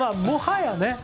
もはやね。